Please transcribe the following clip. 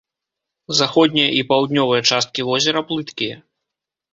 Заходняя і паўднёвая часткі возера плыткія.